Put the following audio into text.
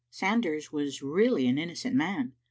Sanders was really an innocent man.